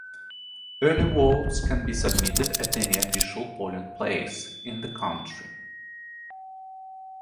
Early votes can be submitted at any official polling place in the country.